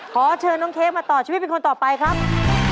ขอเชิญน้องเค้กมาต่อชีวิตเป็นคนต่อไปครับ